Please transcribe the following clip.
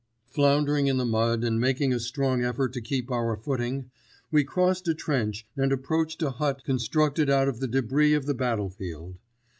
Floundering in the mud and making a strong effort to keep our footing, we crossed a trench and approached a hut constructed out of the debris of the battlefield.